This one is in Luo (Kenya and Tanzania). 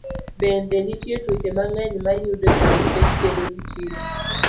Bende, nitie tuoche mang'eny ma yudo ji nikech bedo gi chilo.